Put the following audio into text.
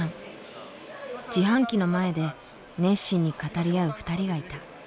自販機の前で熱心に語り合う２人がいた。